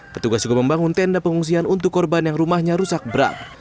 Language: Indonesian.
petugas juga membangun tenda pengungsian untuk korban yang rumahnya rusak berat